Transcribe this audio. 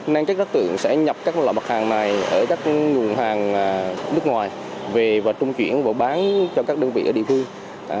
nên các đối tượng sẽ nhập các loại mặt hàng này ở các nguồn hàng nước ngoài về và trung chuyển và bán cho các đơn vị ở địa phương